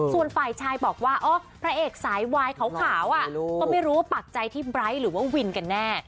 ส่วนฝ่ายชายบอกว่าพระเอกสายวายขาวก็ไม่รู้ว่าปักใจที่ไร้หรือว่าวินกันแน่